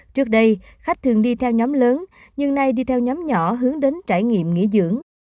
trước đây khách thường đi theo nhóm lớn nhưng nay đi theo nhóm nhỏ hướng đến trải nghiệm nghỉ dưỡng